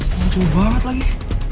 gakut banget lagi